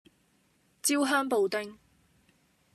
焦香布丁